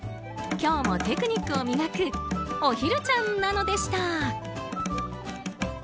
今日もテクニックを磨くおひるちゃんなのでした。